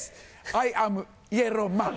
アイアムイエローマン！